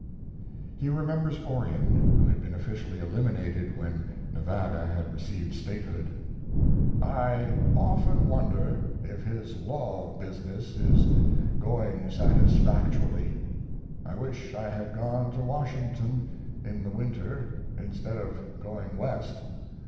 He remembers Orion, who had been officially eliminated when Nevada had received statehood. I often wonder if his law business is going satisfactorily. I wish I had gone to Washington in the winter instead of going West.